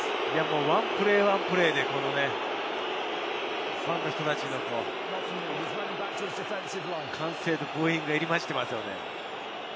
ワンプレー、ワンプレーでファンの人たちの歓声とブーイングが入り混じっていますね。